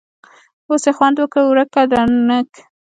اوس یې خوند وکړ٬ ورکه ډنګ!